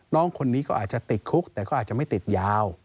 น้องคนนี้ก็อาจจะติดคุกแต่ก็อาจจะไม่ติดยาว